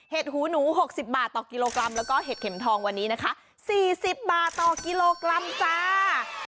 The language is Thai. หูหนู๖๐บาทต่อกิโลกรัมแล้วก็เห็ดเข็มทองวันนี้นะคะ๔๐บาทต่อกิโลกรัมจ้า